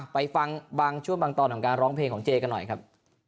ไปฟังบางช่วงบางตอนของการร้องเพลงของเจกันหน่อยครับ